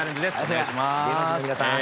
お願いします。